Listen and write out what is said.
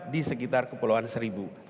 di sekitar kepulauan seribu